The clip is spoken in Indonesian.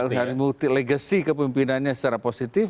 agus harimut legasi kepemimpinannya secara positif